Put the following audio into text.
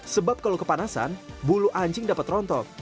sebab kalau kepanasan bulu anjing dapat rontok